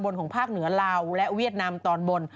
และเวียดนามตอนบน